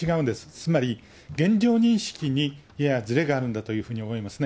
つまり、現状認識にはややずれがあるんだというふうに思いますね。